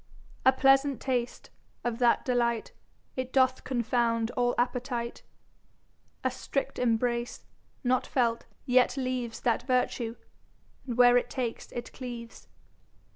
A pleasant Taste, of that delight It doth confound all appetite. A strict Embrace, not felt, yet leaves That vertue, where it takes it cleaves.